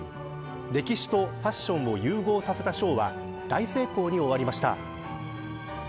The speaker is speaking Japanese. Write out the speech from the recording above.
歴史とファッションを融合させたショーは大成功に終わりました。